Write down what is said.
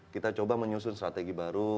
kita coba menyusun strategi baru